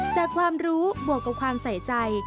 จากความรู้บวกกับความใส่ใจ